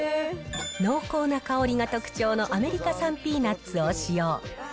濃厚な香りが特徴のアメリカ産ピーナッツを使用。